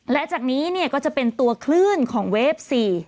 และจากนี้เนี่ยก็จะเป็นตัวคลื่นของเวฟ๔